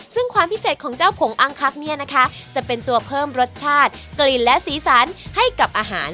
ซึ่งความพิเศษของเจ้าผงอังคักเนี่ยนะคะจะเป็นตัวเพิ่มรสชาติกลิ่นและสีสันให้กับอาหาร